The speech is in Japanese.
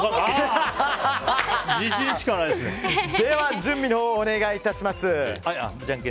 準備のほうをお願いします。